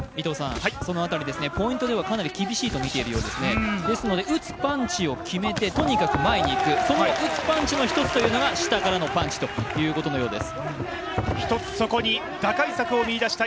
ポイントではかなり厳しいと見ているようですので打つパンチを決めて、とにかく前に行くその打つパンチの１つというのが下からのパンチということのようです。